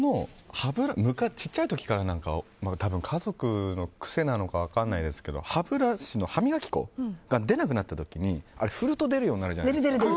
小さい時からなのか多分、家族の癖なのか分からないですけど歯ブラシの歯磨き粉が出なくなった時に振ると出るようになるじゃないですか。